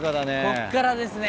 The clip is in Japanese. こっからですね。